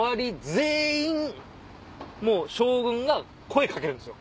全員将軍が声掛けるんですよ。